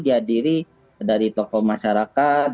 dihadiri dari tokoh masyarakat